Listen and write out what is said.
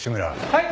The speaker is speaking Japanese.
はい！